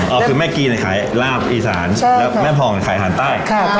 ลาบอีสานแล้วแม่พองขายอาหารใต้